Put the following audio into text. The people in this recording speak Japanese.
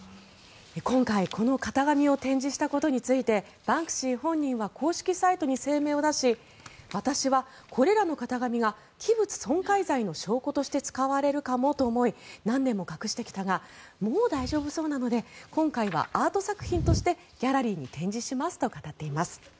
今回、この型紙を展示したことについてバンクシー本人は公式サイトに声明を出し私はこれらの型紙が器物損壊罪の証拠として使われるかもと思い何年も隠してきたがもう大丈夫そうなので今回はアート作品としてギャラリーに展示しますと語っています。